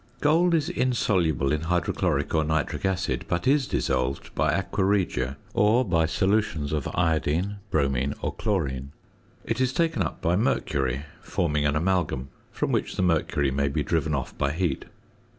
Gold is insoluble in hydrochloric or nitric acid, but is dissolved by aqua regia or by solutions of iodine, bromine, or chlorine. It is taken up by mercury, forming an amalgam, from which the mercury may be driven off by heat.